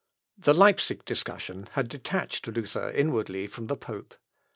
The Leipsic discussion had detached Luther inwardly from the pope.